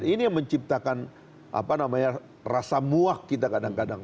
ini yang menciptakan rasa muak kita kadang kadang